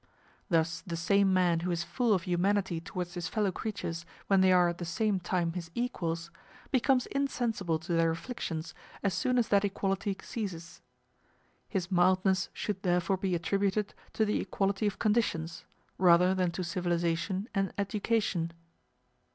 Thus the same man who is full of humanity towards his fellow creatures when they are at the same time his equals, becomes insensible to their afflictions as soon as that equality ceases. His mildness should therefore be attributed to the equality of conditions, rather than to civilization and education.